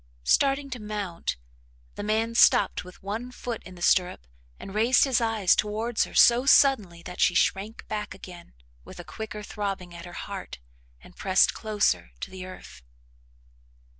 Starting to mount, the man stopped with one foot in the stirrup and raised his eyes towards her so suddenly that she shrank back again with a quicker throbbing at her heart and pressed closer to the earth.